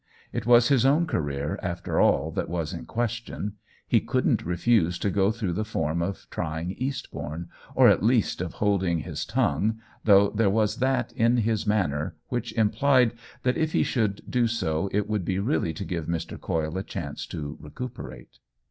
It was his own ca reer, after all, that was in question. He couldn't refuse to go through the form of trying Eastbourne, or at least of holding his tongue, though there was that in his man ner which implied that if he should do so it would be really to give Mr. Coyle a chance to recuperate.